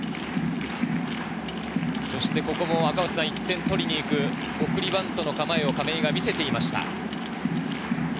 そしてここも１点取りにいく、亀井が送りバントの構えを見せていました。